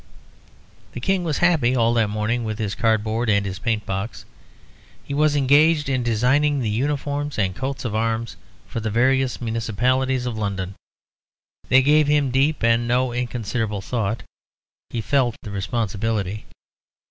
The King was happy all that morning with his cardboard and his paint box. He was engaged in designing the uniforms and coats of arms for the various municipalities of London. They gave him deep and no inconsiderable thought. He felt the responsibility.